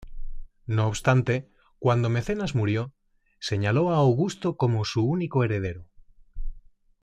No obstante, cuando Mecenas murió, señaló a Augusto como su único heredero.